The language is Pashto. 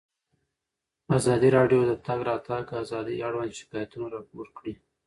ازادي راډیو د د تګ راتګ ازادي اړوند شکایتونه راپور کړي.